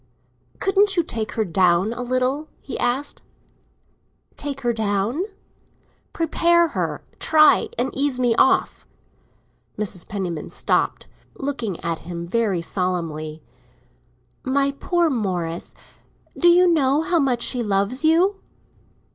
"Couldn't you take her down a little?" he asked. "Take her down?" "Prepare her—try and ease me off." Mrs. Penniman stopped, looking at him very solemnly. "My poor Morris, do you know how much she loves you?"